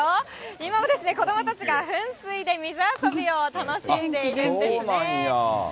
今もですね、子どもたちが噴水で水遊びを楽しんでいるんですね。